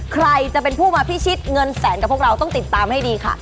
ใครจะเป็นผู้มาพิชิตเงินแสนกับพวกเราต้องติดตามให้ดีค่ะ